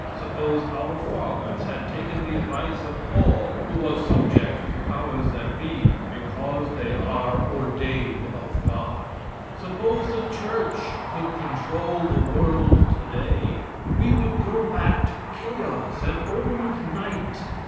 Suppose our fathers had taken the advice of Paul, who was subject to the powers that be, "because they are ordained of God;" suppose the church could control the world today, we would go back to chaos and old night.